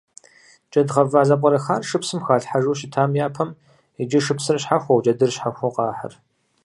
Джэд гъэва зэпкърыхар шыпсым халъхьэжу щытащ япэм, иджы шыпсыр щхьэхуэу джэдыр щхьэхуэу къахьыр.